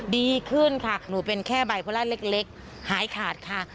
ดีขึ้นค่ะหนูเป็นแค่ไบโพล่าเล็กหายขาดค่ะ